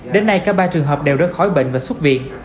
đến nay cả ba trường hợp đều đơn khói bệnh và xuất viện